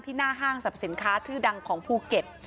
หน้าห้างสรรพสินค้าชื่อดังของภูเก็ต